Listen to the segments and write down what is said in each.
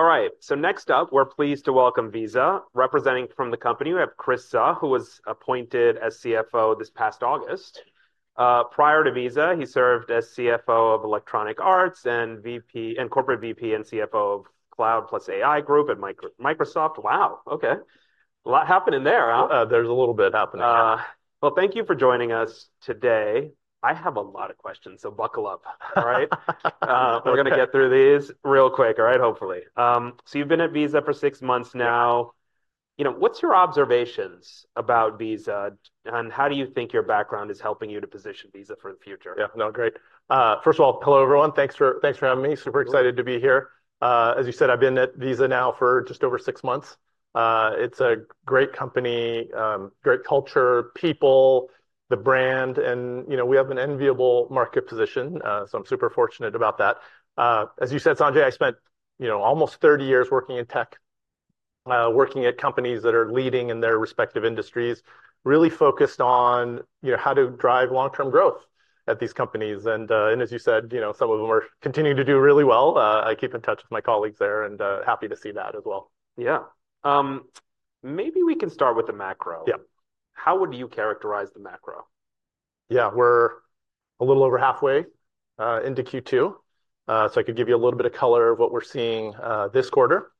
All right, so next up we're pleased to welcome Visa, representing from the company. We have Chris Suh, who was appointed as CFO this past August. Prior to Visa, he served as CFO of Electronic Arts and Corporate VP and CFO of Cloud + AI Group at Microsoft. Wow, okay. A lot happening there, huh? There's a little bit happening there. Well, thank you for joining us today. I have a lot of questions, so buckle up, all right? We're going to get through these real quick, all right, hopefully. So you've been at Visa for 6 months now. What's your observations about Visa, and how do you think your background is helping you to position Visa for the future? Yeah, no, great. First of all, hello everyone. Thanks for having me. Super excited to be here. As you said, I've been at Visa now for just over 6 months. It's a great company, great culture, people, the brand, and we have an enviable market position, so I'm super fortunate about that. As you said, Sanjay, I spent almost 30 years working in tech, working at companies that are leading in their respective industries, really focused on how to drive long-term growth at these companies. And as you said, some of them are continuing to do really well. I keep in touch with my colleagues there and happy to see that as well. Yeah. Maybe we can start with the macro. How would you characterize the macro? Yeah, we're a little over halfway into Q2, so I could give you a little bit of color of what we're seeing this quarter.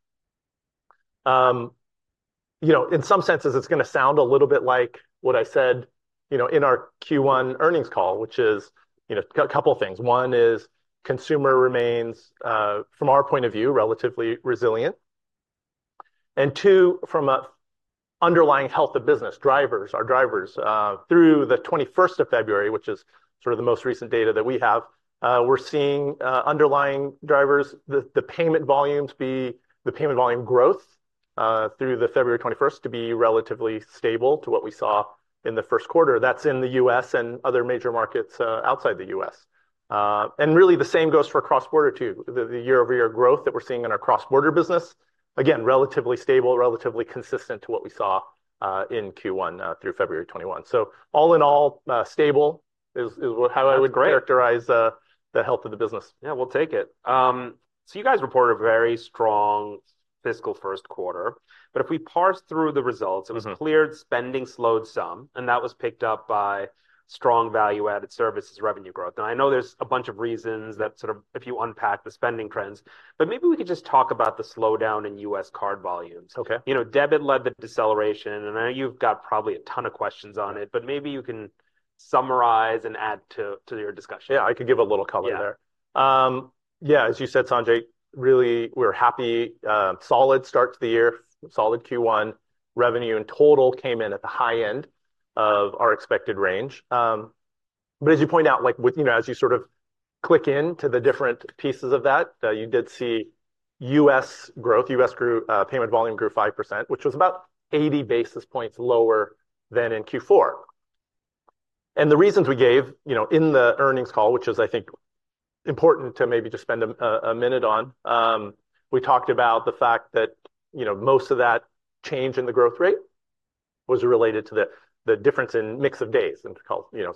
In some senses, it's going to sound a little bit like what I said in our Q1 earnings call, which is a couple of things. One is consumer remains, from our point of view, relatively resilient. And two, from underlying health of business, drivers, our drivers, through the 21st of February, which is sort of the most recent data that we have, we're seeing underlying drivers, the payment volumes be the payment volume growth through the February 21st to be relatively stable to what we saw in the first quarter. That's in the U.S. and other major markets outside the U.S. And really the same goes for cross-border too. The year-over-year growth that we're seeing in our Cross-Border business, again, relatively stable, relatively consistent to what we saw in Q1 through February 21. So all in all, stable is how I would characterize the health of the business. Yeah, we'll take it. So you guys reported a very strong fiscal first quarter. But if we parse through the results, it was cross-border spending slowed some, and that was picked up by strong value-added services revenue growth. And I know there's a bunch of reasons that sort of if you unpack the spending trends. But maybe we could just talk about the slowdown in U.S. card volumes. Debit led the deceleration, and I know you've got probably a ton of questions on it, but maybe you can summarize and add to your discussion. Yeah, I could give a little color there. Yeah, as you said, Sanjay, really we're happy. Solid start to the year, solid Q1. Revenue in total came in at the high end of our expected range. But as you point out, as you sort of click into the different pieces of that, you did see U.S. growth, U.S. payment volume grew 5%, which was about 80 basis points lower than in Q4. And the reasons we gave in the earnings call, which is, I think, important to maybe just spend a minute on, we talked about the fact that most of that change in the growth rate was related to the difference in mix of days, and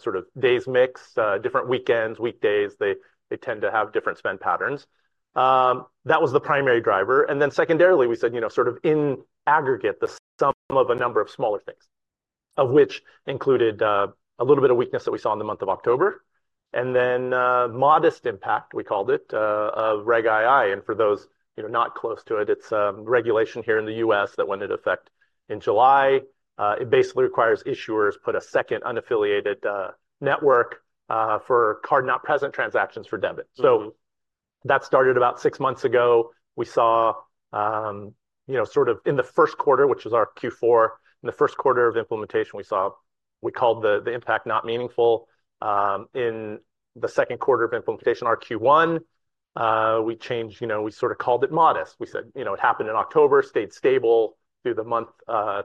sort of days mix, different weekends, weekdays, they tend to have different spend patterns. That was the primary driver. And then secondarily, we said sort of in aggregate, the sum of a number of smaller things. Of which included a little bit of weakness that we saw in the month of October. And then modest impact, we called it, of Reg II, and for those not close to it, it's regulation here in the U.S. that went into effect in July. It basically requires issuers put a second unaffiliated network for card-not-present transactions for debit. So that started about 6 months ago. We saw sort of in the first quarter, which is our Q4, in the first quarter of implementation, we saw we called the impact not meaningful. In the second quarter of implementation, our Q1, we changed, we sort of called it modest. We said it happened in October, stayed stable through the month,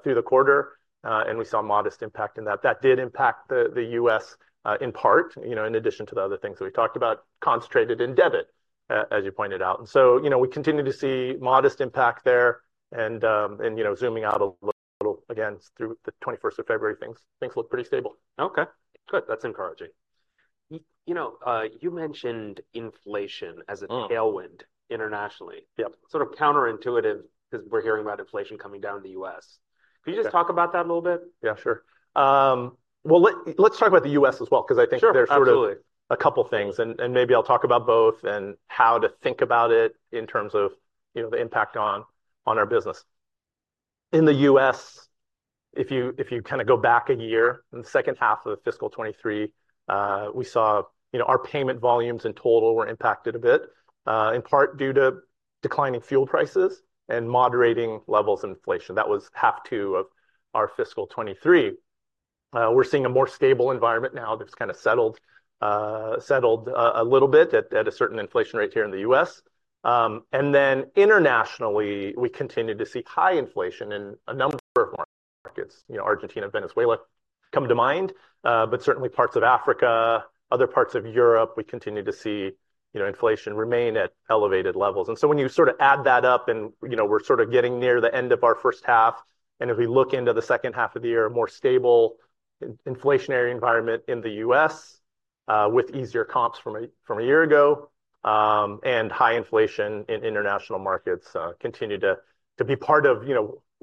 through the quarter, and we saw modest impact in that. That did impact the U.S. in part, in addition to the other things that we talked about, concentrated in debit, as you pointed out. And so we continue to see modest impact there. And zooming out a little again through the 21st of February, things look pretty stable. Okay, good. That's encouraging. You mentioned inflation as a tailwind internationally. Sort of counterintuitive because we're hearing about inflation coming down to the U.S.. Could you just talk about that a little bit? Yeah, sure. Well, let's talk about the U.S. as well because I think there's sort of a couple of things and maybe I'll talk about both and how to think about it in terms of the impact on our business. In the U.S., if you kind of go back a year in the second half of fiscal 2023, we saw our payment volumes in total were impacted a bit, in part due to declining fuel prices and moderating levels of inflation. That was half two of our fiscal 2023. We're seeing a more stable environment now. It's kind of settled a little bit at a certain inflation rate here in the U.S. And then internationally, we continue to see high inflation in a number of markets, Argentina and Venezuela, come to mind, but certainly parts of Africa, other parts of Europe, we continue to see inflation remain at elevated levels. So when you sort of add that up and we're sort of getting near the end of our first half, and if we look into the second half of the year, more stable inflationary environment in the U.S. with easier comps from a year ago and high inflation in international markets continue to be part of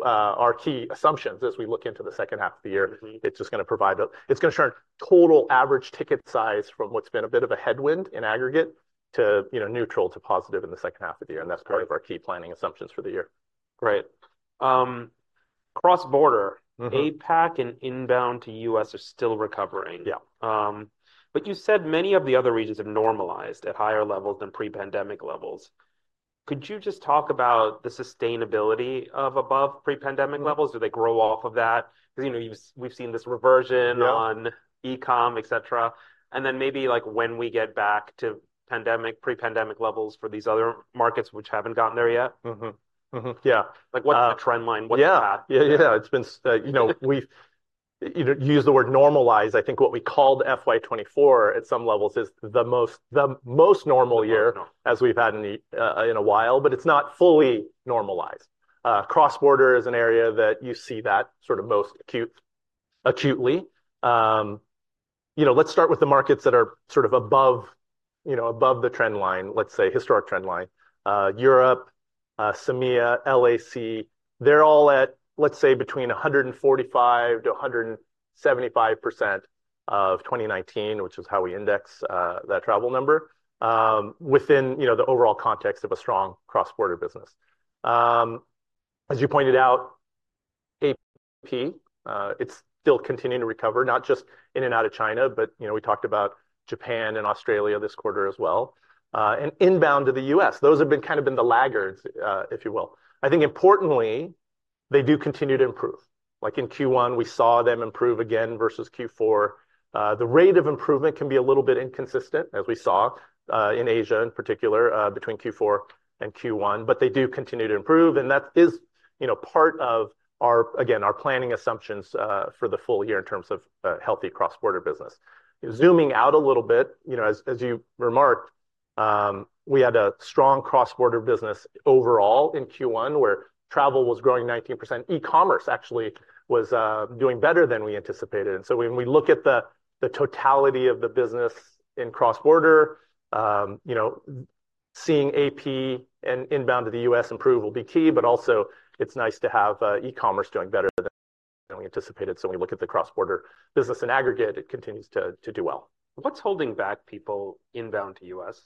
our key assumptions as we look into the second half of the year. It's just going to churn total average ticket size from what's been a bit of a headwind in aggregate to neutral to positive in the second half of the year. That's part of our key planning assumptions for the year. Great. Cross-border, APAC and inbound to U.S. are still recovering. But you said many of the other regions have normalized at higher levels than pre-pandemic levels. Could you just talk about the sustainability of above pre-pandemic levels? Do they grow off of that? Because we've seen this reversion on e-com, etc. And then maybe when we get back to pandemic, pre-pandemic levels for these other markets, which haven't gotten there yet. Yeah, what's the trend line? What's the path? Yeah, yeah, yeah, it's been, we've used the word normalize. I think what we called FY 2024 at some levels is the most normal year as we've had in a while, but it's not fully normalized. Cross-border is an area that you see that sort of most acutely. Let's start with the markets that are sort of above the trend line, let's say, historic trend line. Europe, CEMEA, LAC, they're all at, let's say, 145%-175% of 2019, which is how we index that travel number within the overall context of a strong cross-border business. As you pointed out, APAC, it's still continuing to recover, not just in and out of China, but we talked about Japan and Australia this quarter as well. And inbound to the U.S., those have been kind of the laggards, if you will. I think importantly, they do continue to improve. Like in Q1, we saw them improve again versus Q4. The rate of improvement can be a little bit inconsistent, as we saw in Asia in particular between Q4 and Q1, but they do continue to improve, and that is part of our, again, our planning assumptions for the full year in terms of healthy cross-border business. Zooming out a little bit, as you remarked, we had a strong cross-border business overall in Q1 where travel was growing 19%. E-commerce actually was doing better than we anticipated. So when we look at the totality of the business in cross-border, seeing APAC and inbound to the U.S. improve will be key, but also it's nice to have e-commerce doing better than we anticipated. So when we look at the cross-border business in aggregate, it continues to do well. What's holding back people inbound to U.S.?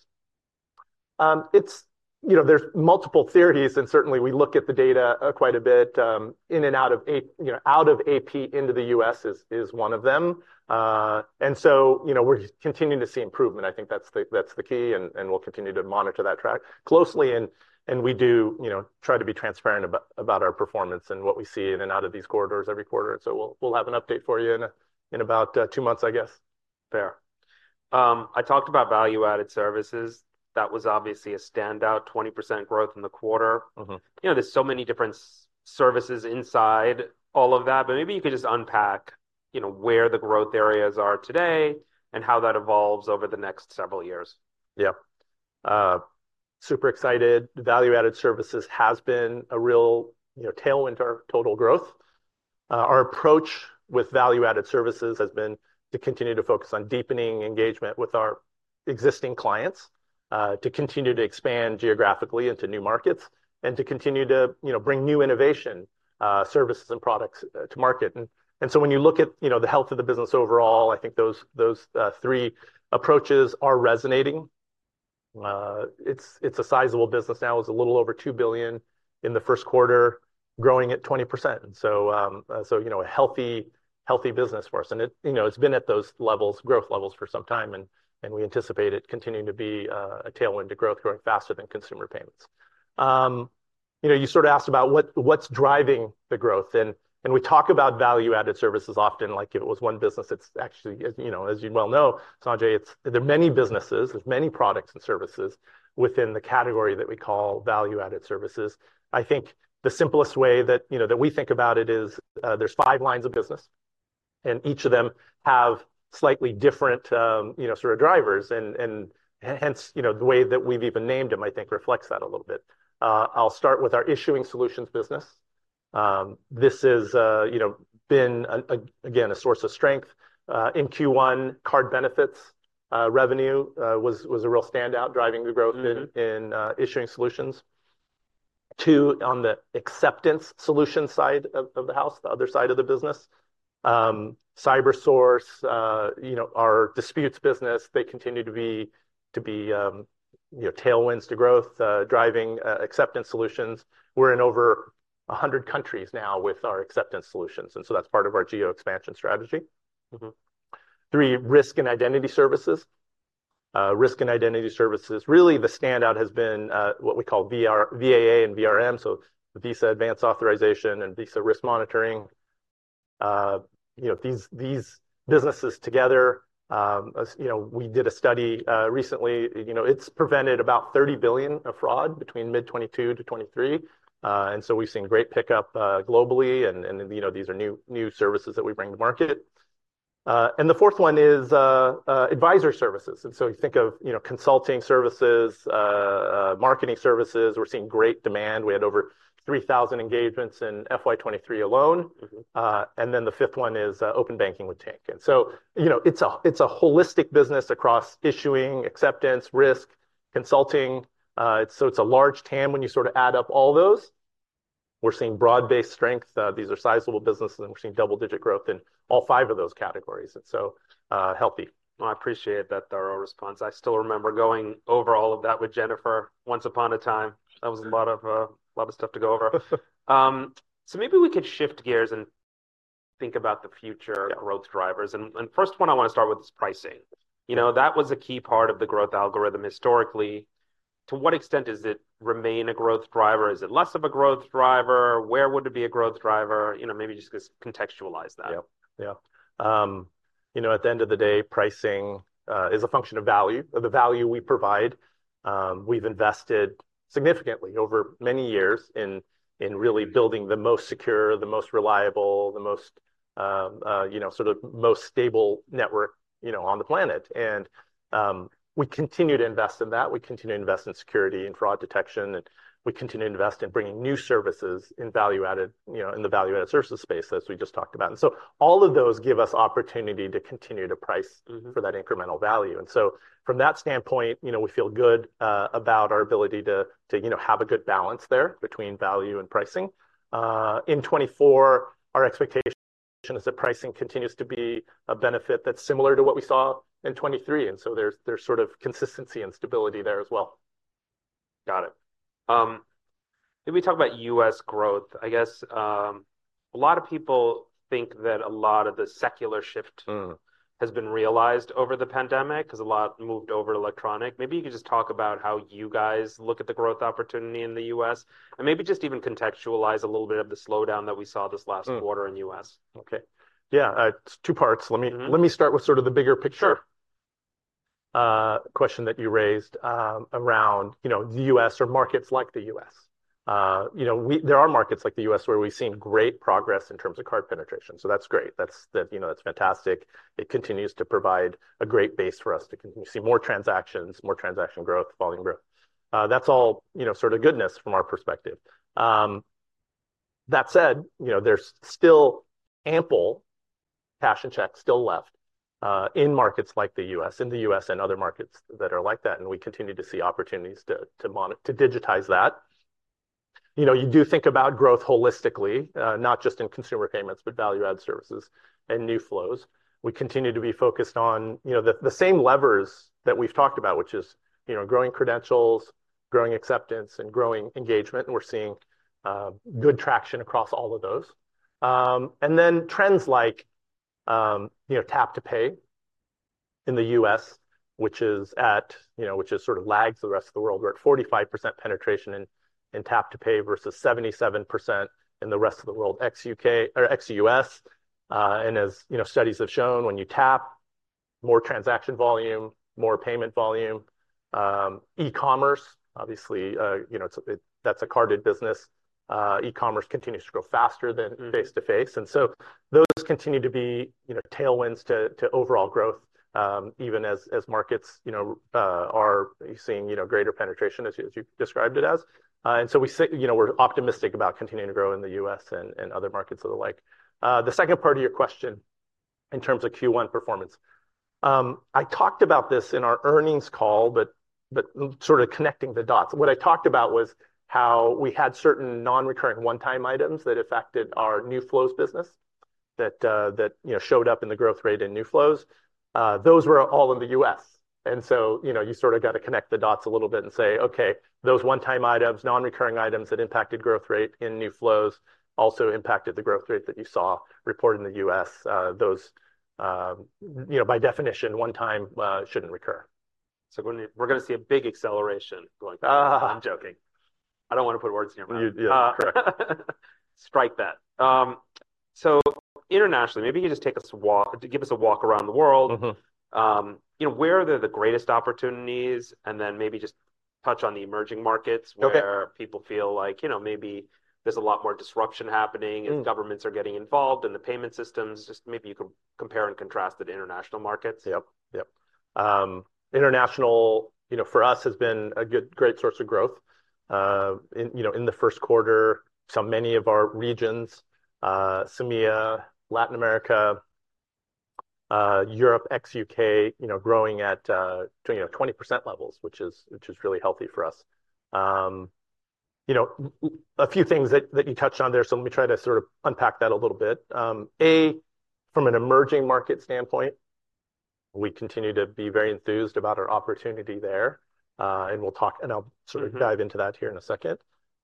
There's multiple theories, and certainly we look at the data quite a bit. In and out of APAC into the U.S. is one of them. So we're continuing to see improvement. I think that's the key, and we'll continue to monitor that track closely. We do try to be transparent about our performance and what we see in and out of these corridors every quarter. So we'll have an update for you in about 2 months, I guess. Fair. I talked about value-added services. That was obviously a standout 20% growth in the quarter. There's so many different services inside all of that, but maybe you could just unpack where the growth areas are today and how that evolves over the next several years. Yeah. Super excited. Value-Added Services has been a real tailwind to our total growth. Our approach with Value-Added Services has been to continue to focus on deepening engagement with our existing clients. To continue to expand geographically into new markets. And to continue to bring new innovation, services, and products to market. And so when you look at the health of the business overall, I think those three approaches are resonating. It's a sizable business now. It was a little over $2 billion in the first quarter, growing at 20%. And so a healthy business for us. And it's been at those levels, growth levels for some time, and we anticipate it continuing to be a tailwind to growth, growing faster than consumer payments. You sort of asked about what's driving the growth, and we talk about Value-Added Services often like if it was one business. It's actually, as you well know, Sanjay, there are many businesses. There's many products and services within the category that we call value-added services. I think the simplest way that we think about it is there's 5 lines of business. And each of them have slightly different sort of drivers, and hence the way that we've even named them, I think, reflects that a little bit. I'll start with our issuing solutions business. This has been, again, a source of strength. In Q1, card benefits revenue was a real standout driving the growth in issuing solutions. Two on the acceptance solution side of the house, the other side of the business. CyberSource, our disputes business, they continue to be tailwinds to growth, driving acceptance solutions. We're in over 100 countries now with our acceptance solutions, and so that's part of our geo expansion strategy. Three, risk and identity services. Risk and identity services, really the standout has been what we call VAA and VRM, so Visa Advanced Authorization and Visa Risk Monitoring. These businesses together, we did a study recently. It's prevented about $30 billion of fraud between mid-2022 to 2023. And so we've seen great pickup globally, and these are new services that we bring to market. And the fourth one is advisor services. And so you think of consulting services, marketing services. We're seeing great demand. We had over 3,000 engagements in FY 2023 alone. And then the fifth one is open banking with Tink. And so it's a holistic business across issuing, acceptance, risk, consulting. So it's a large TAM when you sort of add up all those. We're seeing broad-based strength. These are sizable businesses, and we're seeing double-digit growth in all 5 of those categories. And so healthy. Well, I appreciate that thorough response. I still remember going over all of that with Jennifer once upon a time. That was a lot of stuff to go over. So maybe we could shift gears and think about the future growth drivers. And first one, I want to start with this pricing. That was a key part of the growth algorithm historically. To what extent does it remain a growth driver? Is it less of a growth driver? Where would it be a growth driver? Maybe just contextualize that. Yeah. Yeah. At the end of the day, pricing is a function of value, of the value we provide. We've invested significantly over many years in really building the most secure, the most reliable, the most sort of most stable network on the planet. We continue to invest in that. We continue to invest in security and fraud detection, and we continue to invest in bringing new services in value-added in the value-added services space as we just talked about. All of those give us opportunity to continue to price for that incremental value. From that standpoint, we feel good about our ability to have a good balance there between value and pricing. In 2024, our expectation is that pricing continues to be a benefit that's similar to what we saw in 2023. There's sort of consistency and stability there as well. Got it. Maybe talk about U.S. growth, I guess. A lot of people think that a lot of the secular shift has been realized over the pandemic because a lot moved over to electronic. Maybe you could just talk about how you guys look at the growth opportunity in the U.S. and maybe just even contextualize a little bit of the slowdown that we saw this last quarter in the U.S. Okay. Yeah, it's 2 parts. Let me start with sort of the bigger picture. Sure. Question that you raised around the U.S. or markets like the U.S. There are markets like the U.S. where we've seen great progress in terms of card penetration. So that's great. That's fantastic. It continues to provide a great base for us to see more transactions, more transaction growth, volume growth. That's all sort of goodness from our perspective. That said, there's still ample cash and checks still left in markets like the U.S., in the U.S. and other markets that are like that, and we continue to see opportunities to digitize that. You do think about growth holistically, not just in consumer payments, but value-added services and new flows. We continue to be focused on the same levers that we've talked about, which is growing credentials, growing acceptance, and growing engagement, and we're seeing good traction across all of those. And then trends like Tap to Pay in the U.S., which sort of lags the rest of the world. We're at 45% penetration in Tap to Pay versus 77% in the rest of the world, ex-U.K. or ex-U.S. And as studies have shown, when you tap more transaction volume, more payment volume. E-commerce, obviously, that's a carded business. E-commerce continues to grow faster than face-to-face. And so those continue to be tailwinds to overall growth, even as markets are seeing greater penetration, as you described it as. And so we're optimistic about continuing to grow in the U.S. and other markets of the like. The second part of your question, in terms of Q1 performance. I talked about this in our earnings call, but sort of connecting the dots. What I talked about was how we had certain non-recurring one-time items that affected our New Flows business. That showed up in the growth rate in New Flows. Those were all in the U.S. And so you sort of got to connect the dots a little bit and say, okay, those one-time items, non-recurring items that impacted growth rate in New Flows also impacted the growth rate that you saw reported in the U.S. Those, by definition, one-time shouldn't recur. We're going to see a big acceleration going forward. I'm joking. I don't want to put words in your mouth. Yeah, correct. Strike that. So internationally, maybe you could just take us a walk, give us a walk around the world. Where are the greatest opportunities? And then maybe just touch on the emerging markets where people feel like maybe there's a lot more disruption happening and governments are getting involved in the payment systems. Just maybe you could compare and contrast the international markets. Yep. Yep. International for us has been a great source of growth. In the first quarter, so many of our regions, SAMEA, Latin America, Europe, ex-U.K., growing at 20% levels, which is really healthy for us. A few things that you touched on there, so let me try to sort of unpack that a little bit. A, from an emerging market standpoint, we continue to be very enthused about our opportunity there. And we'll talk, and I'll sort of dive into that here in a second.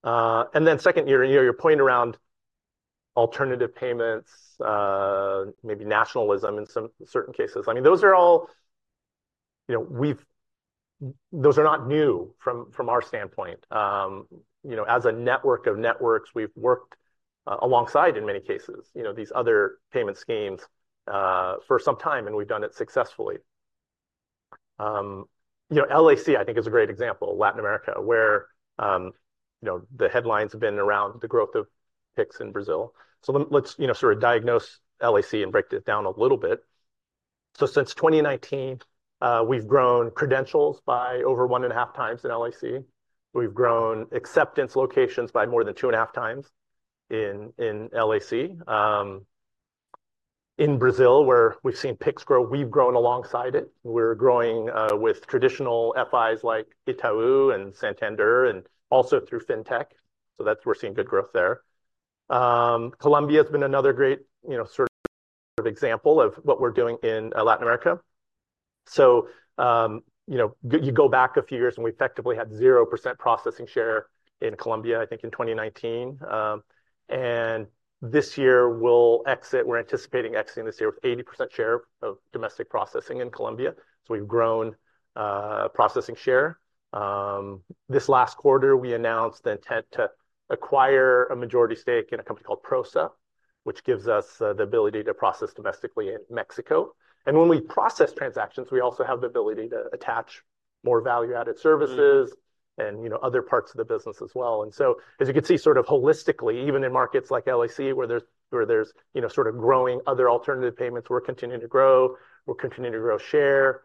And then second, your point around alternative payments, maybe nationalism in some certain cases. I mean, those are all. Those are not new from our standpoint. As a network of networks, we've worked alongside in many cases these other payment schemes for some time, and we've done it successfully. LAC, I think, is a great example, Latin America, where the headlines have been around the growth of PIX in Brazil. So let's sort of diagnose LAC and break it down a little bit. So since 2019, we've grown credentials by over 1.5 times in LAC. We've grown acceptance locations by more than 2.5 times in LAC. In Brazil, where we've seen PIX grow, we've grown alongside it. We're growing with traditional FIs like Itaú and Santander and also through Fintech. So that's where we're seeing good growth there. Colombia has been another great sort of example of what we're doing in Latin America. So you go back a few years and we effectively had 0% processing share in Colombia, I think, in 2019. And this year we'll exit. We're anticipating exiting this year with 80% share of domestic processing in Colombia. We've grown processing share. This last quarter we announced the intent to acquire a majority stake in a company called Prosa, which gives us the ability to process domestically in Mexico. When we process transactions, we also have the ability to attach more value-added services and other parts of the business as well. As you can see, sort of holistically, even in markets like LAC, where there's sort of growing other alternative payments, we're continuing to grow. We're continuing to grow share.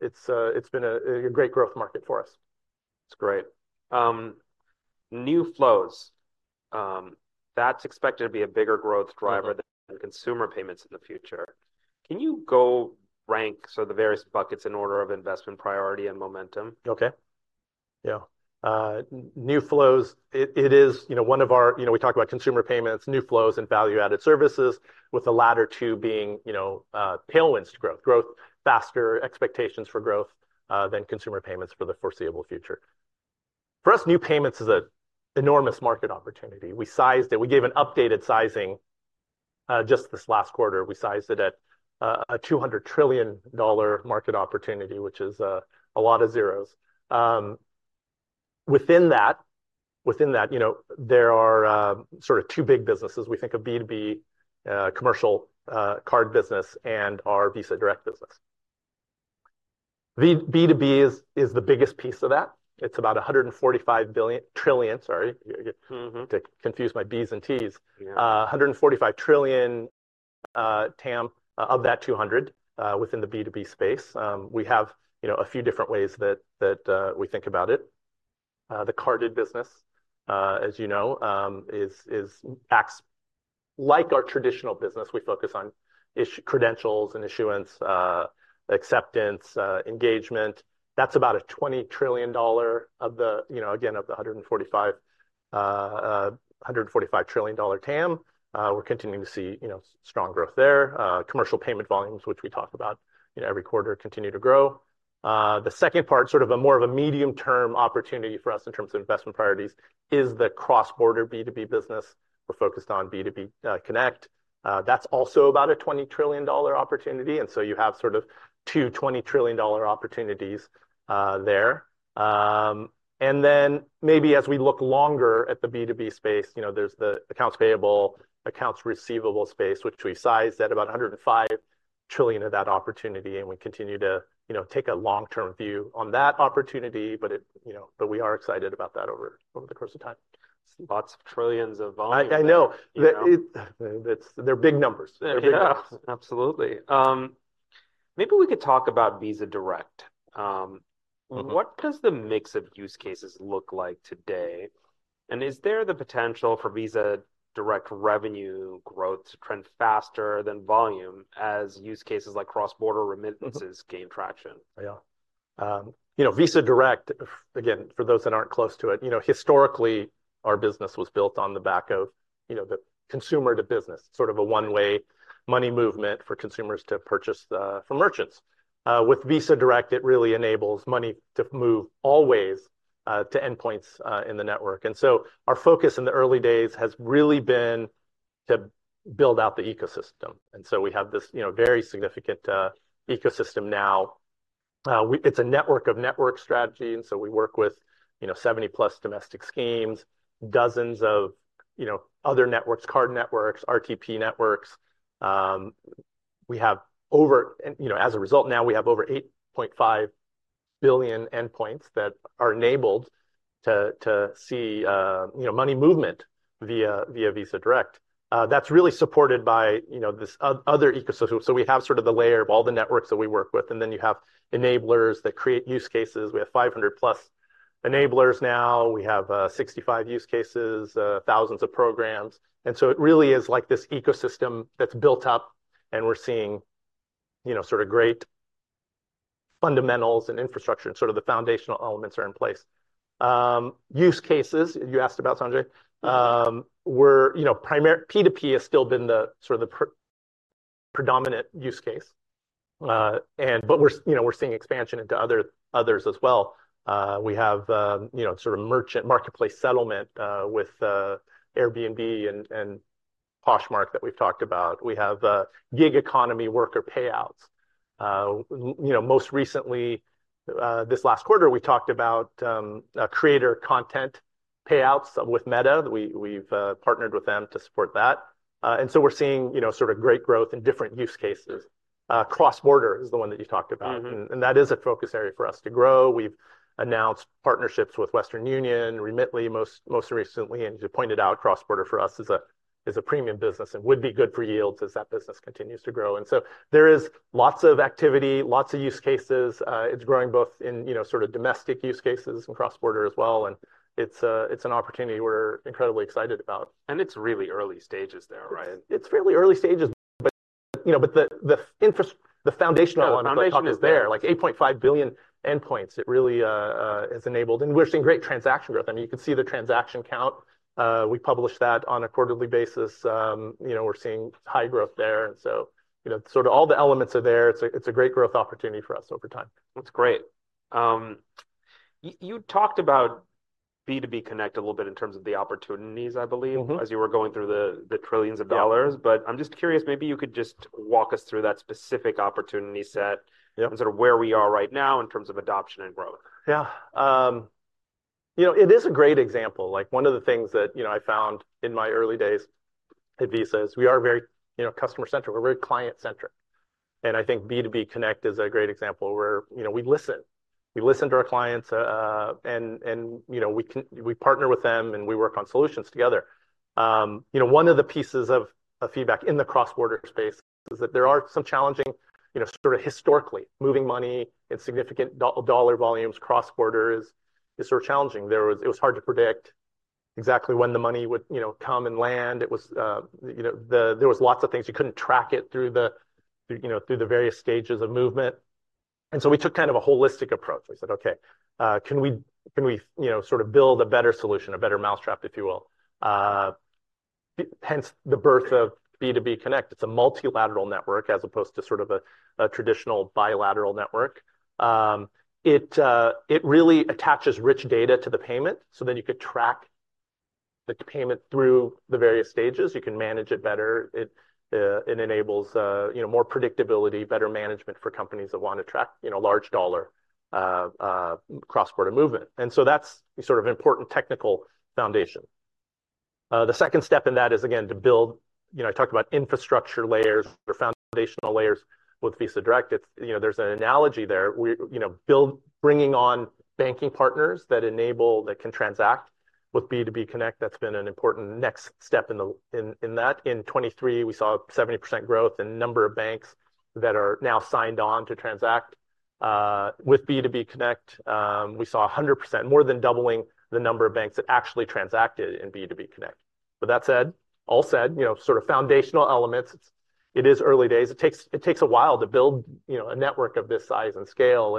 It's been a great growth market for us. It's great. New Flows. That's expected to be a bigger growth driver than consumer payments in the future. Can you go rank so the various buckets in order of investment priority and momentum? Okay. Yeah. New Flows, it is one of our, we talked about consumer payments, New Flows, and Value-Added Services, with the latter 2 being tailwinds to growth, growth faster, expectations for growth than consumer payments for the foreseeable future. For us, new payments is an enormous market opportunity. We sized it. We gave an updated sizing. Just this last quarter, we sized it at a $200 trillion market opportunity, which is a lot of zeros. Within that, there are sort of 2 big businesses. We think of B2B commercial card business and our Visa Direct business. B2B is the biggest piece of that. It's about 145 billion trillion. Sorry. To confuse my B's and T's. 145 trillion TAM of that 200 within the B2B space. We have a few different ways that we think about it. The carded business, as you know, acts like our traditional business. We focus on credentials and issuance, acceptance, engagement. That's about a $20 trillion of the, again, of the $145 trillion TAM. We're continuing to see strong growth there. Commercial payment volumes, which we talk about every quarter, continue to grow. The second part, sort of a more of a medium-term opportunity for us in terms of investment priorities, is the cross-border B2B business. We're focused on B2B Connect. That's also about a $20 trillion opportunity. And so you have sort of two $20 trillion opportunities there. And then maybe as we look longer at the B2B space, there's the accounts payable, accounts receivable space, which we sized at about $105 trillion of that opportunity, and we continue to take a long-term view on that opportunity, but we are excited about that over the course of time. Lots of trillions of volume. I know. They're big numbers. Absolutely. Maybe we could talk about Visa Direct. What does the mix of use cases look like today? And is there the potential for Visa Direct revenue growth to trend faster than volume as use cases like cross-border remittances gain traction? Yeah. Visa Direct, again, for those that aren't close to it, historically our business was built on the back of the consumer to business, sort of a one-way money movement for consumers to purchase from merchants. With Visa Direct, it really enables money to move always to endpoints in the network. And so our focus in the early days has really been to build out the ecosystem. And so we have this very significant ecosystem now. It's a network of network strategy. And so we work with 70+ domestic schemes, dozens of other networks, card networks, RTP networks. As a result, now we have over 8.5 billion endpoints that are enabled to see money movement via Visa Direct. That's really supported by this other ecosystem. So we have sort of the layer of all the networks that we work with, and then you have enablers that create use cases. We have 500+ enablers now. We have 65 use cases, thousands of programs. And so it really is like this ecosystem that's built up. And we're seeing sort of great fundamentals and infrastructure and sort of the foundational elements are in place. Use cases, you asked about, Sanjay. P2P has still been the sort of the predominant use case. But we're seeing expansion into others as well. We have sort of merchant marketplace settlement with Airbnb and Poshmark that we've talked about. We have gig economy worker payouts. Most recently, this last quarter, we talked about creator content payouts with Meta. We've partnered with them to support that. And so we're seeing sort of great growth in different use cases. Cross-border is the one that you talked about, and that is a focus area for us to grow. We've announced partnerships with Western Union Remitly most recently, and you pointed out cross-border for us is a premium business and would be good for yields as that business continues to grow. And so there is lots of activity, lots of use cases. It's growing both in sort of domestic use cases and cross-border as well. And it's an opportunity we're incredibly excited about. It's really early stages there, right? It's fairly early stages. But the foundation is there, like 8.5 billion endpoints. It really has enabled, and we're seeing great transaction growth. I mean, you can see the transaction count. We publish that on a quarterly basis. We're seeing high growth there. And so sort of all the elements are there. It's a great growth opportunity for us over time. That's great. You talked about B2B Connect a little bit in terms of the opportunities, I believe, as you were going through the trillions of dollars. But I'm just curious, maybe you could just walk us through that specific opportunity set and sort of where we are right now in terms of adoption and growth. Yeah. It is a great example. One of the things that I found in my early days at Visa is we are very customer-centric. We're very client-centric. And I think B2B Connect is a great example where we listen. We listen to our clients and we partner with them and we work on solutions together. One of the pieces of feedback in the cross-border space is that there are some challenging sort of historically moving money and significant dollar volumes cross-border is sort of challenging. It was hard to predict exactly when the money would come and land. There was lots of things. You couldn't track it through the various stages of movement. And so we took kind of a holistic approach. We said, okay, can we sort of build a better solution, a better mousetrap, if you will? Hence the birth of B2B Connect. It's a multilateral network as opposed to sort of a traditional bilateral network. It really attaches rich data to the payment so that you could track the payment through the various stages. You can manage it better. It enables more predictability, better management for companies that want to track large dollar cross-border movement. And so that's sort of important technical foundation. The second step in that is, again, to build. I talked about infrastructure layers or foundational layers with Visa Direct. There's an analogy there. Bringing on banking partners that enable that can transact with B2B Connect. That's been an important next step in that. In 2023, we saw 70% growth in the number of banks that are now signed on to transact. With B2B Connect, we saw 100%, more than doubling the number of banks that actually transacted in B2B Connect. But that said, all said, sort of foundational elements. It is early days. It takes a while to build a network of this size and scale,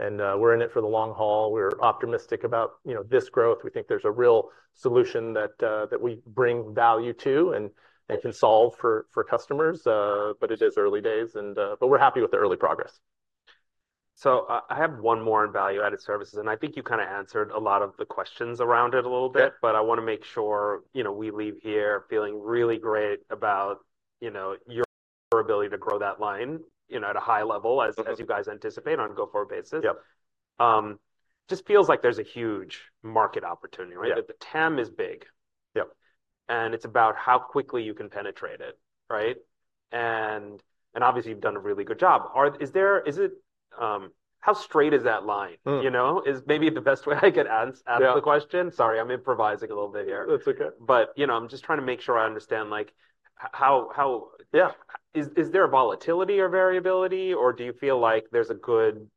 and we're in it for the long haul. We're optimistic about this growth. We think there's a real solution that we bring value to and can solve for customers, but it is early days, and we're happy with the early progress. So I have one more on value-added services, and I think you kind of answered a lot of the questions around it a little bit, but I want to make sure we leave here feeling really great about your ability to grow that line at a high level as you guys anticipate on a go-forward basis. Just feels like there's a huge market opportunity, right? The TAM is big. And it's about how quickly you can penetrate it, right? And obviously you've done a really good job. Is it how straight is that line? Is maybe the best way I could ask the question? Sorry, I'm improvising a little bit here. That's okay. I'm just trying to make sure I understand how. Is there a volatility or variability, or do you feel like there's a good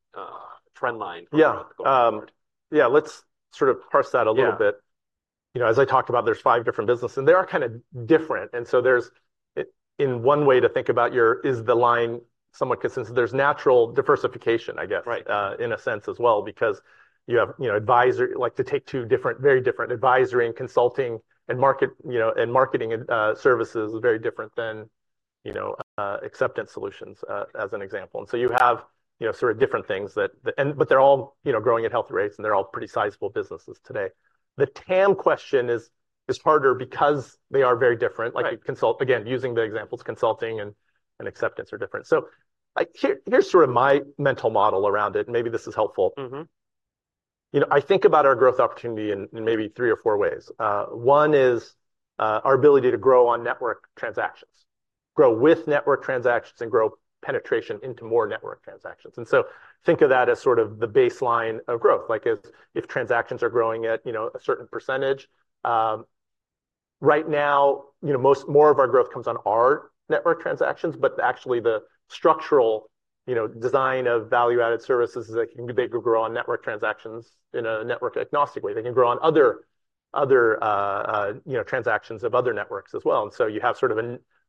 trend line? Yeah. Yeah, let's sort of parse that a little bit. As I talked about, there's 5 different businesses, and they are kind of different. And so there's one way to think about: is the line somewhat consistent? There's natural diversification, I guess, in a sense as well, because you have advisory, 2 different, very different advisory and consulting and marketing services very different than acceptance solutions as an example. And so you have sort of different things that, and but they're all growing at healthy rates, and they're all pretty sizable businesses today. The TAM question is harder because they are very different. Again, using the examples, consulting and acceptance are different. So here's sort of my mental model around it, and maybe this is helpful. I think about our growth opportunity in maybe 3 or 4 ways. One is our ability to grow on network transactions. Grow with network transactions and grow penetration into more network transactions. So think of that as sort of the baseline of growth, like if transactions are growing at a certain percentage. Right now, most of our growth comes on our network transactions, but actually the structural design of value-added services is that they could grow on network transactions in a network agnostic way. They can grow on other transactions of other networks as well. So you have sort of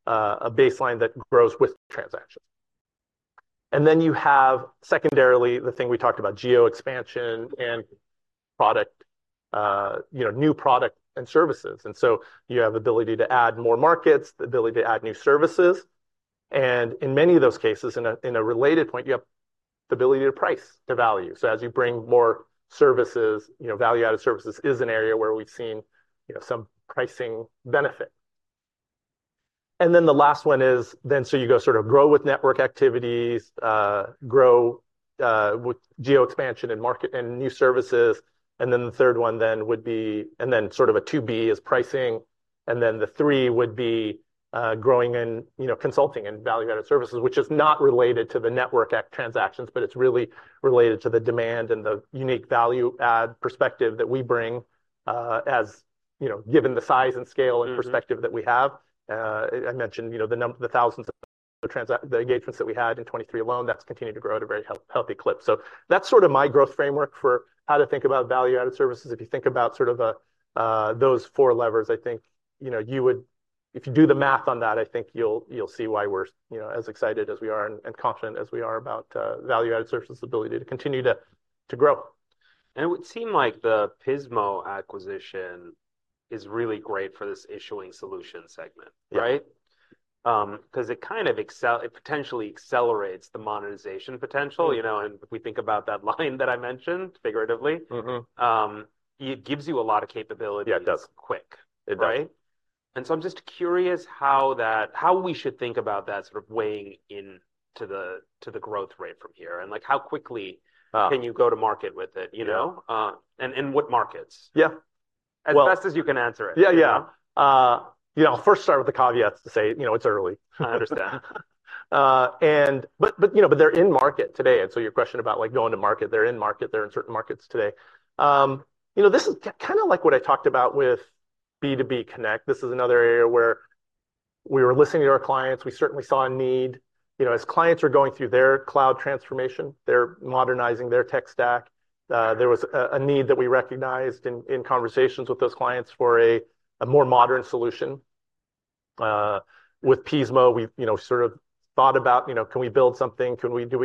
a baseline that grows with transactions. Then you have secondarily the thing we talked about, geo expansion and new product and services. In many of those cases, in a related point, you have the ability to price to value. So as you bring more services, value-added services is an area where we've seen some pricing benefit. And then the last one is then, so you go sort of grow with network activities, grow with geo expansion and market and new services. And then the third one then would be, and then sort of a B2B is pricing. And then the 3 would be growing in consulting and value-added services, which is not related to the network transactions, but it's really related to the demand and the unique value-add perspective that we bring as given the size and scale and perspective that we have. I mentioned the thousands of engagements that we had in 2023 alone. That's continued to grow at a very healthy clip. So that's sort of my growth framework for how to think about value-added services. If you think about sort of those 4 levers, I think you would, if you do the math on that, I think you'll see why we're as excited as we are and confident as we are about value-added services, the ability to continue to grow. It would seem like the Pismo acquisition is really great for this issuing solution segment, right? Because it kind of potentially accelerates the monetization potential. If we think about that line that I mentioned figuratively, it gives you a lot of capabilities quick, right? So I'm just curious how we should think about that sort of weighing into the growth rate from here and how quickly can you go to market with it? And what markets? Yeah. As best as you can answer it. Yeah, yeah. I'll first start with the caveats to say it's early. I understand. But they're in market today. And so your question about going to market, they're in market. They're in certain markets today. This is kind of like what I talked about with B2B Connect. This is another area where we were listening to our clients. We certainly saw a need. As clients are going through their cloud transformation, they're modernizing their tech stack. There was a need that we recognized in conversations with those clients for a more modern solution. With Pismo, we sort of thought about, can we build something?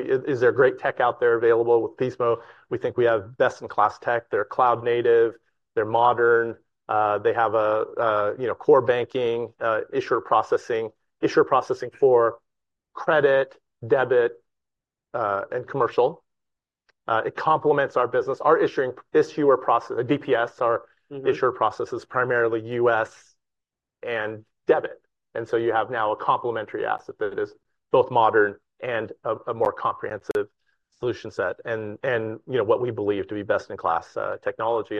Is there great tech out there available with Pismo? We think we have best-in-class tech. They're cloud-native. They're modern. They have core banking, issuer processing, issuer processing for credit, debit, and commercial. It complements our business. Our issuer process, DPS, our issuer process is primarily U.S. and debit. You have now a complementary asset that is both modern and a more comprehensive solution set and what we believe to be best-in-class technology.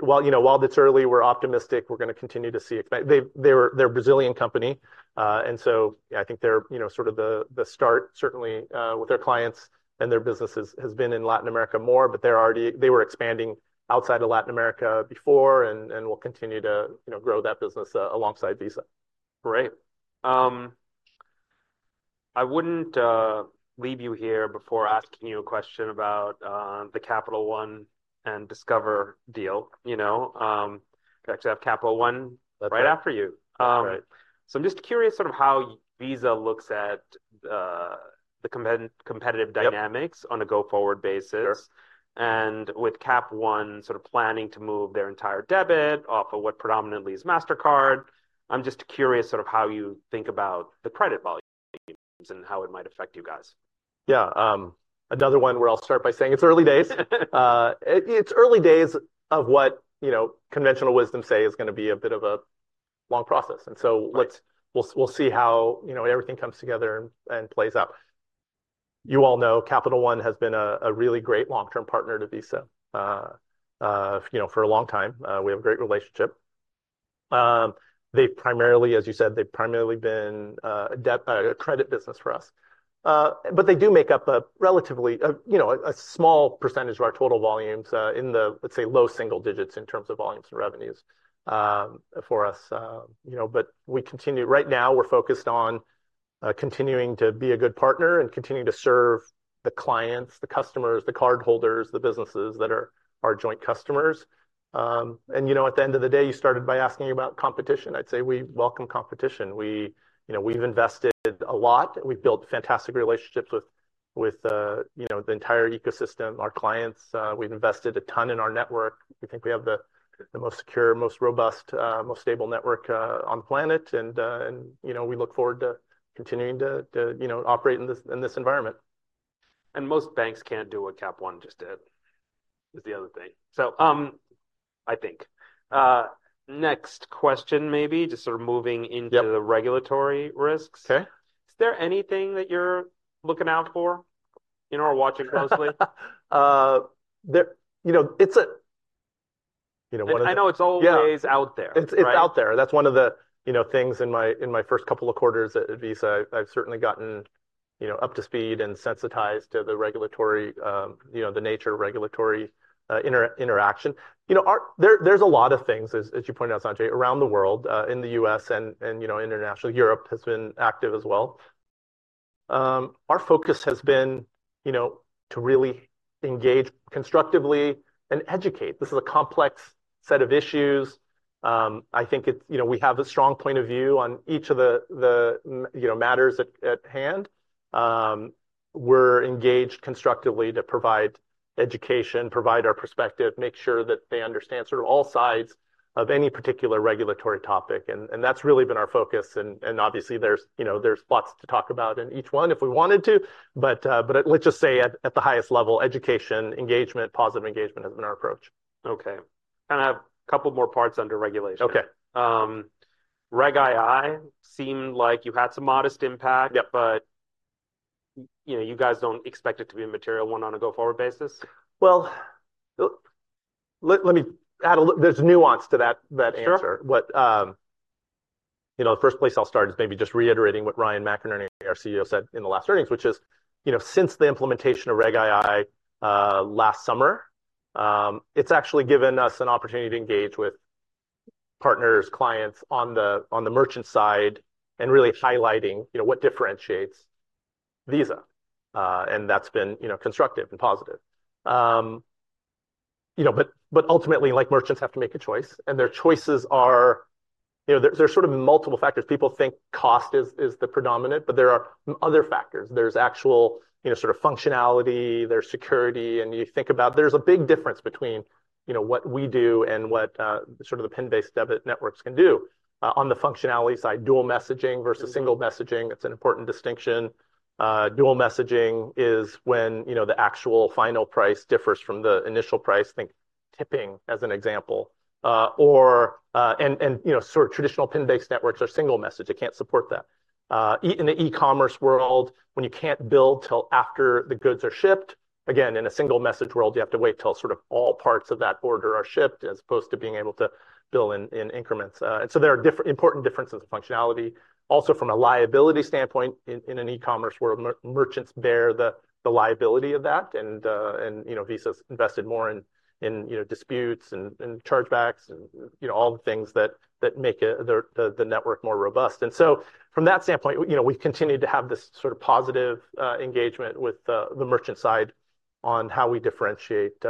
While it's early, we're optimistic we're going to continue to see. They're a Brazilian company. I think they're sort of the start, certainly with our clients, and their businesses has been in Latin America more, but they were expanding outside of Latin America before and will continue to grow that business alongside Visa. Great. I wouldn't leave you here before asking you a question about the Capital One and Discover deal. Actually, I have Capital One right after you. So I'm just curious sort of how Visa looks at the competitive dynamics on a go-forward basis. With Cap One sort of planning to move their entire debit off of what predominantly is Mastercard, I'm just curious sort of how you think about the credit volume and how it might affect you guys. Yeah. Another one where I'll start by saying it's early days. It's early days of what conventional wisdom says is going to be a bit of a long process. And so we'll see how everything comes together and plays out. You all know Capital One has been a really great long-term partner to Visa. For a long time, we have a great relationship. They've primarily, as you said, they've primarily been a credit business for us. But they do make up a relatively small percentage of our total volumes in the, let's say, low single digits in terms of volumes and revenues for us. But we continue, right now, we're focused on continuing to be a good partner and continuing to serve the clients, the customers, the cardholders, the businesses that are our joint customers. And at the end of the day, you started by asking about competition. I'd say we welcome competition. We've invested a lot. We've built fantastic relationships with the entire ecosystem, our clients. We've invested a ton in our network. We think we have the most secure, most robust, most stable network on the planet. We look forward to continuing to operate in this environment. Most banks can't do what Capital One just did. Is the other thing. So I think. Next question maybe, just sort of moving into the regulatory risks. Is there anything that you're looking out for or watching closely? It's a. I know it's always out there. It's out there. That's one of the things in my first couple of quarters at Visa. I've certainly gotten up to speed and sensitized to the regulatory, the nature of regulatory interaction. There's a lot of things, as you pointed out, Sanjay, around the world, in the U.S. and internationally. Europe has been active as well. Our focus has been to really engage constructively and educate. This is a complex set of issues. I think we have a strong point of view on each of the matters at hand. We're engaged constructively to provide education, provide our perspective, make sure that they understand sort of all sides of any particular regulatory topic. And that's really been our focus. And obviously there's lots to talk about in each one if we wanted to. But let's just say at the highest level, education, engagement, positive engagement has been our approach. Okay. Kind of a couple more parts under regulation. Reg II seemed like you had some modest impact, but you guys don't expect it to be a material one on a go-forward basis? Well, let me add a little. There's nuance to that answer. The first place I'll start is maybe just reiterating what Ryan McInerney, our CEO, said in the last earnings, which is since the implementation of Reg II last summer, it's actually given us an opportunity to engage with partners, clients on the merchant side and really highlighting what differentiates Visa. That's been constructive and positive. But ultimately, merchants have to make a choice, and their choices are. There's sort of multiple factors. People think cost is the predominant, but there are other factors. There's actual sort of functionality, there's security, and you think about there's a big difference between what we do and what sort of the pin-based debit networks can do. On the functionality side, dual messaging versus single messaging, it's an important distinction. Dual messaging is when the actual final price differs from the initial price. Think tipping as an example. Sort of traditional PIN-based networks are single message. It can't support that. In the e-commerce world, when you can't bill till after the goods are shipped, again, in a single message world, you have to wait till sort of all parts of that order are shipped as opposed to being able to bill in increments. So there are important differences in functionality. Also from a liability standpoint, in an e-commerce world, merchants bear the liability of that. Visa's invested more in disputes and chargebacks and all the things that make the network more robust. So from that standpoint, we've continued to have this sort of positive engagement with the merchant side on how we differentiate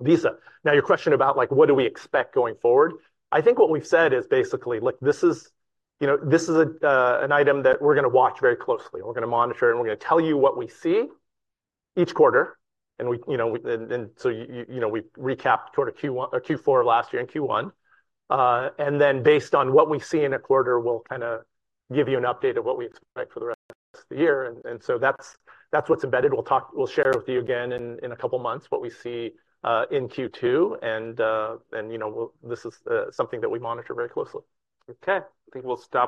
Visa. Now your question about what do we expect going forward? I think what we've said is basically look, this is an item that we're going to watch very closely. We're going to monitor it and we're going to tell you what we see each quarter. We recapped quarter Q4 last year and Q1. Then based on what we see in a quarter, we'll kind of give you an update of what we expect for the rest of the year. That's what's embedded. We'll share with you again in a couple of months what we see in Q2. This is something that we monitor very closely. Okay. I think we'll stop.